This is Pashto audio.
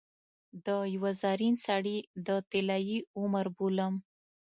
د یوه زرین سړي د طلايي عمر بولم.